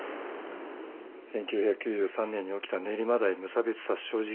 １９９３年に起きた練馬台無差別殺傷事件のこと？